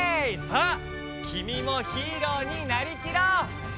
さあきみもヒーローになりきろう！